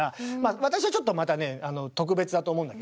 私はちょっとまたねあの特別だと思うんだけど。